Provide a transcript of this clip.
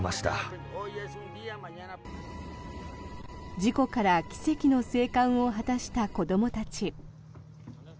事故から奇跡の生還を果たした子どもたち。